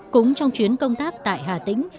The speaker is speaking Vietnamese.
cũng trong chuyến công tác tại hà tĩnh